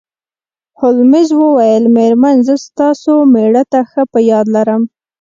هولمز وویل میرمن زه ستاسو میړه ښه په یاد لرم